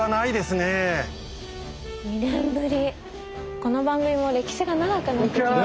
この番組も歴史が長くなってきましたね。